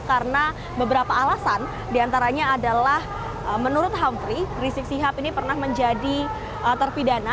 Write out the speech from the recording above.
karena beberapa alasan diantaranya adalah menurut hamfri rizik sihab ini pernah menjadi terpidana